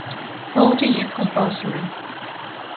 Voting is compulsory.